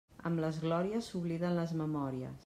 Amb les glòries, s'obliden les memòries.